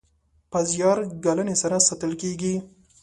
په زیار ګالنې سره ساتل کیږي.